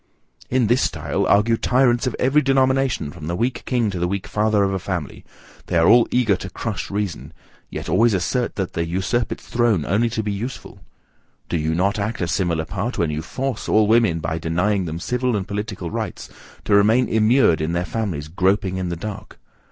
In this style, argue tyrants of every denomination from the weak king to the weak father of a family; they are all eager to crush reason; yet always assert that they usurp its throne only to be useful. Do you not act a similar part, when you FORCE all women, by denying them civil and political rights, to remain immured in their families groping in the dark?